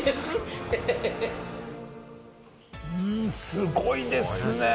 すごいですね！